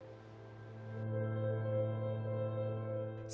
pemprov dki jakarta memperpanjang masa psbb transisi